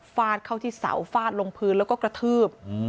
ฟาดเข้าที่เสาฟาดลงพื้นแล้วก็กระทืบ